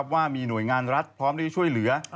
ว่ามีหน่วยงานรัฐพร้อมได้ช่วยเหลือ